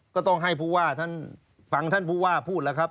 ก็ต้องให้ผู้ว่าท่านฟังท่านผู้ว่าพูดแล้วครับ